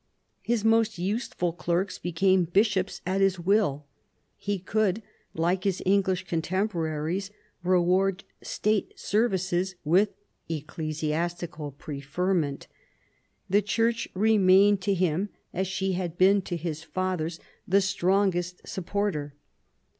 His most useful clerks became bishops at his will. He could, like his English contemporaries, reward state services with ecclesiastical preferment. The Church remained to him, as she had been to his fathers, the strongest supporter.